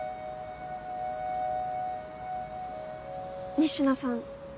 仁科さん。